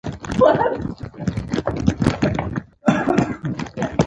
افغانستان تر هغو نه ابادیږي، ترڅو د اقلیم بدلون اغیزې مدیریت نشي.